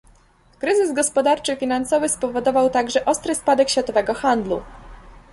Kryzys gospodarczy i finansowy spowodował także ostry spadek światowego handlu